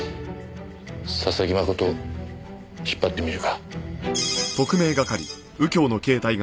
佐々木真人引っ張ってみるか。